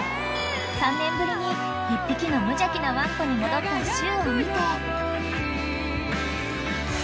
［３年ぶりに１匹の無邪気なワンコに戻ったしゅうを見て］